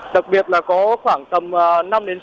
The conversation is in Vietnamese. đặc biệt là có khoảng tầm